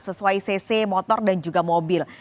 sesuai cc motor dan juga mobil